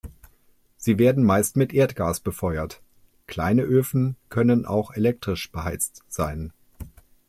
Sie werden meist mit Erdgas befeuert; kleine Öfen können auch elektrisch beheizt sein.